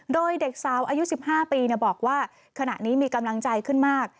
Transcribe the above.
โดยเด็กสาวอายุ๑๕ปีบอกว่าขณะนี้มีกำลังใจขึ้นมาก